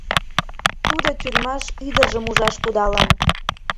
Тудо тюрьмаш ӱдыржым ужаш кудалын.